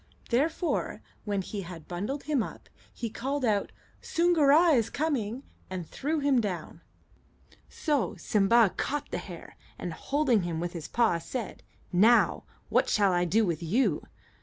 Therefore, when he had bundled him up, he called out, "Soongoora is coming!" and threw him down. So Simba caught the hare, and, holding him with his paw, said, "Now, what shall I do with you?"